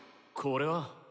これは？